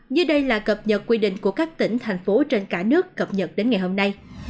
như đây là cập nhật quy định của các tỉnh thành phố trên cả nước cập nhật đến ngày hôm nay